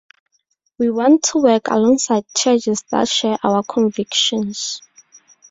We want to work alongside churches that share our convictions.